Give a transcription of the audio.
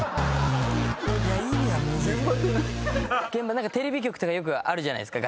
何かテレビ局とかよくあるじゃないっすか。